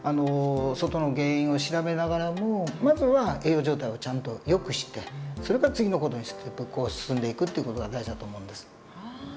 外の原因を調べながらもまずは栄養状態をちゃんとよくしてそれから次の事にステップを進んでいくという事が大事だと思うんです。